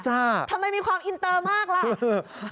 ทำไมมีความอินเตอร์มากล่ะ